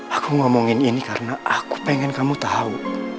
aku ngomongin ini karena aku pengen kamu tahu